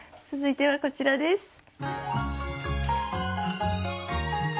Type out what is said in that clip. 続いてはこちらです。